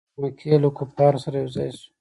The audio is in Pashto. بیرته د مکې له کفارو سره یو ځای سو.